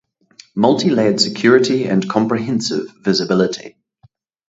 Multi-layered Security and Comprehensive Visibility